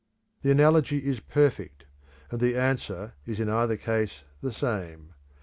The analogy is perfect, and the answer is in either case the same.